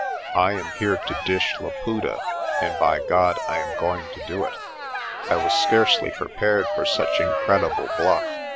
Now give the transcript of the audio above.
I am here to dish Laputa, and by God, I am going to do it." I was scarcely prepared for such incredible bluff.